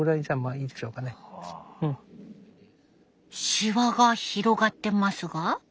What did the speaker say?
シワが広がってますが。